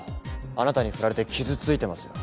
あなたに振られて傷ついてますよ。